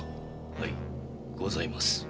はいございます。